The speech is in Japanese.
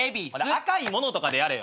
赤いものとかでやれよ。